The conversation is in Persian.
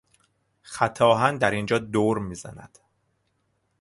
خط آهن در اینجا دور میزند.